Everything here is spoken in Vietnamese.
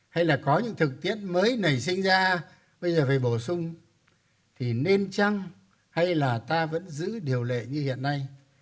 hay là có những thực tiễn mới nảy sinh ra bây giờ phải bổ sung thì nên chăng hay là ta vẫn giữ điều lệ như hiện nay